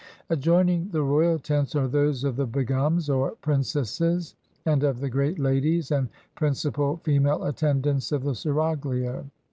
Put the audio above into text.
Adjoining the royal tents are those of the begums, or princesses, and of the great ladies and principal female attendants of the seraglio.